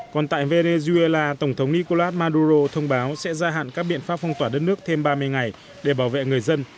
còn tại venezuela tổng thống nicolas maduro thông báo sẽ gia hạn các biện pháp phong tỏa đất nước thêm ba mươi ngày để bảo vệ người dân